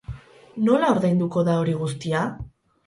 Nola ordainduko da hori guztia?